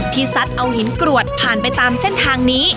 ซัดเอาหินกรวดผ่านไปตามเส้นทางนี้